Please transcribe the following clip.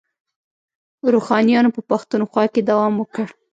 روښانیانو په پښتونخوا کې دوام وکړ.